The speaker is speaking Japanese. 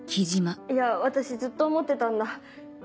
いや私ずっと思ってたんだ。